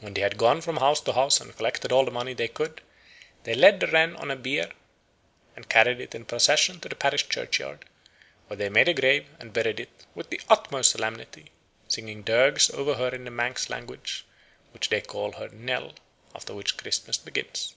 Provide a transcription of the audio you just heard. When they had gone from house to house and collected all the money they could, they laid the wren on a bier and carried it in procession to the parish churchyard, where they made a grave and buried it "with the utmost solemnity, singing dirges over her in the Manks language, which they call her knell; after which Christmas begins."